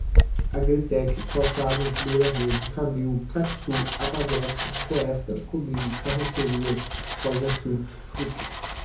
Agritech, Calçados Beira-Rio, Camil, Catsul, Abadessa, Coester, Comil, Carrocerias, Forjasul, Fruki